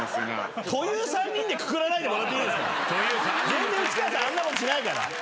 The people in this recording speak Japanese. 全然内川さんあんなことしないから。